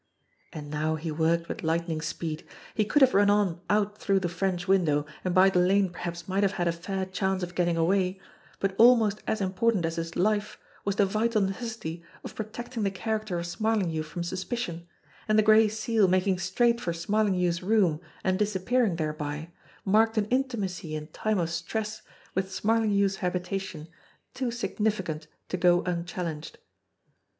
And now he worked with lightning speed. He could have run on out through the French window, and by the lane perhaps might have had a fair chance of getting away but almost as important as his life was the vital necessity of pro tecting the character of Smarlinghue from suspicion, and the Gray Seal making straight for Smarlinghue's room and disappearing thereby, marked an intimacy in time of stress with Smarlinghue's habitation too significant to go unchal lenged.